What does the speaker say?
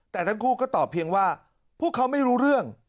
แต่ทั้งคู่ก็ตอบเพียงว่าพวกเขาไม่รู้เรื่อง